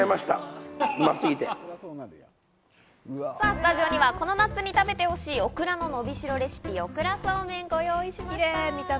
スタジオには、この夏に食べてほしいオクラののびしろレシピ、オクラそうめんをご用意しました。